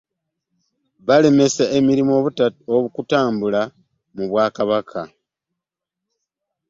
Balemesa emirimu okutambula mu Bwakabaka.